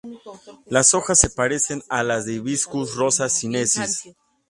Las hojas se parecen a las de "Hibiscus rosa-sinensis".